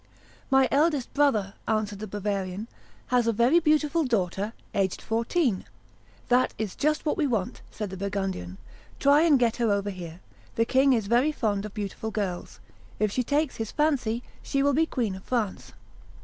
"My eldest brother," answered the Bavarian, "has a very beautiful daughter, aged fourteen." "That is just what we want," said the Burgundian: "try and get her over here; the king is very fond of beautiful girls; if she takes his fancy, she will be Queen of France."